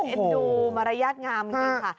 เอ็นดูมารยาทงามจริงค่ะ